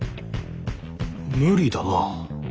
無理だな。